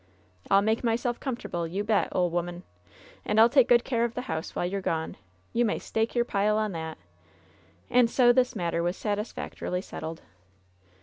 "I'll make myself comfortable, you bet, ole 'omani and I'll take good care of the house while you're gone — you may stake your pile on that I" And so this matter was satisfactorily settled.